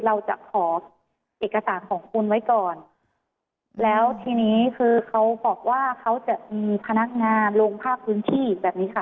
เราจะขอเอกสารของคุณไว้ก่อนแล้วทีนี้คือเขาบอกว่าเขาจะมีพนักงานลงภาพพื้นที่แบบนี้ค่ะ